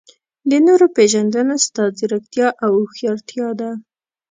د نورو پېژندنه ستا ځیرکتیا او هوښیارتیا ده.